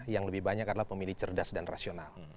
yang lebih banyak adalah pemilih cerdas dan rasional